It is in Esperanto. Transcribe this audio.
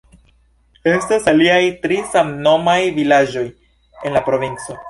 Estas aliaj tri samnomaj vilaĝoj en la provinco.